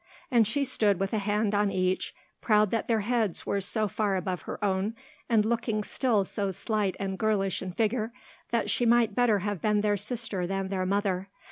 And she stood with a hand on each, proud that their heads were so far above her own, and looking still so slight and girlish in figure that she might better have been their sister than their mother.